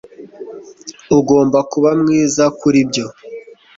ugomba kuba mwiza kuri ibyo